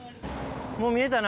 もう見えたな。